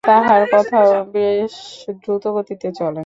তাঁহার কথাও বেশ দ্রুত গতিতে চলে।